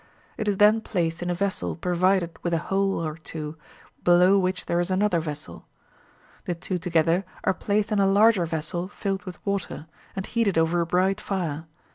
It is then placed in a vessel provided with a hole or two, below which there is another vessel. The two together are placed in a larger vessel filled with water, and heated over a bright fire.